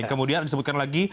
kemudian disebutkan lagi